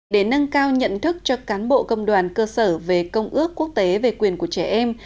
để nâng cao nhận thức cho cán bộ công đoàn cơ sở về công ước quốc tế về quyền của trẻ em